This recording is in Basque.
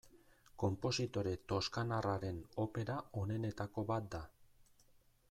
Konpositore toskanarraren opera onenetako bat da.